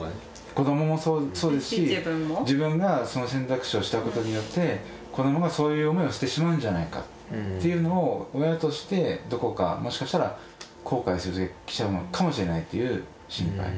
子どももそうですし自分がその選択肢をしたことによって子どもがそういう思いをしてしまうんじゃないかっていうのを親としてどこかもしかしたら後悔する時が来ちゃうのかもしれないっていう心配。